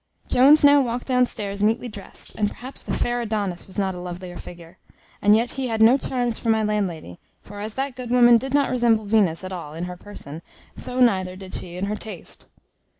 Jones now walked downstairs neatly drest, and perhaps the fair Adonis was not a lovelier figure; and yet he had no charms for my landlady; for as that good woman did not resemble Venus at all in her person, so neither did she in her taste.